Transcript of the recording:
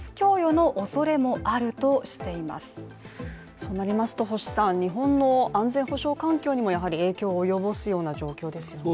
そうなりますと星さん、日本の安全保障環境にも影響を及ぼすような状況ですよね？